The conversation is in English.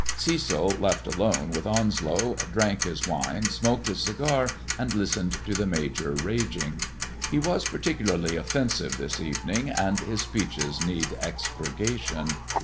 Cecil, left alone with Onslow, drank his wine, smoked his cigar, and listened to the Major raging. He was particularly offensive this evening, and his speeches need expurgation.